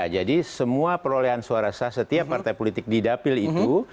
jadi semua perolehan suara sah setiap partai politik di dapil itu